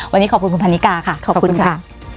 วันนี้ขอบคุณคุณพันนิกาค่ะขอบคุณค่ะ